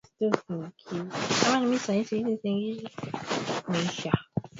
Magonjwa yanayoathiri mfumo wa fahamu kwa ngamia ni kichaa cha mbwa na majimoyo